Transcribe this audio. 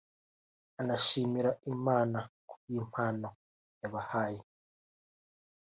anashimira Imana ku bw’impano yabahaye